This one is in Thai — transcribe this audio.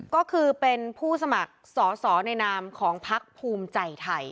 ก็คือเป็นผู้สมัครสอสอในนามของพักภูมิใจไทย